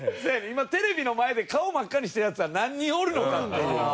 今テレビの前で顔を真っ赤にしてるヤツは何人おるのかっていう。